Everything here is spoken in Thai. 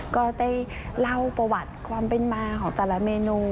ก็ได้เล่าประวัติความเป็นมาของแต่ละเมนู